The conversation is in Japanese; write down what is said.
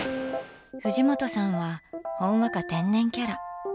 藤本さんはほんわか天然キャラ。